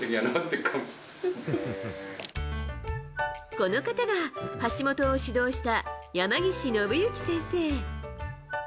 この方が、橋本を指導した山岸信行先生。